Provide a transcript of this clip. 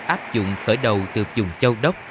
áp dụng khởi đầu từ vùng châu đốc